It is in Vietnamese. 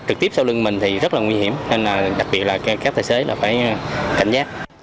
trực tiếp sau lưng mình thì rất là nguy hiểm nên là đặc biệt là các tài xế là phải cảnh giác